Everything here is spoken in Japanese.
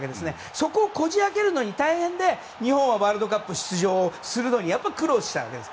そこをこじ開けるのに大変で日本はワールドカップ出場するのにやっぱり苦労したわけです。